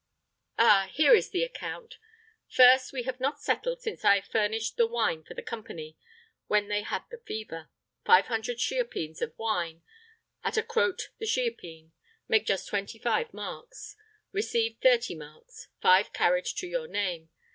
Ah! here is the account. First, we have not settled since I furnished the wine for the companie, when they had the fever. Five hundred chioppines of wine, at a croat the chioppine, make just twenty five marks: received thirty marks; five carried to your name.